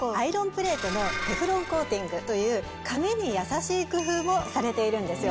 プレートのテフロンコーティングという髪に優しい工夫もされているんですよ。